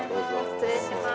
失礼します。